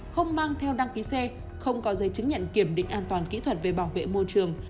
không mang theo đăng ký xe không có giấy chứng nhận kiểm định an toàn kỹ thuật về bảo vệ môi trường